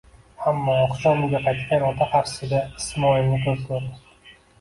Ammo oqshom uyga qaytgan ota qarshisida Ismoilni ko'p ko'rdi.